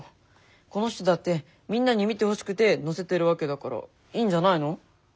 この人だってみんなに見てほしくて載せてるわけだからいいんじゃないの？